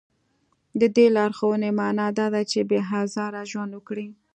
د دې لارښوونې معنا دا ده چې بې ازاره ژوند وکړي.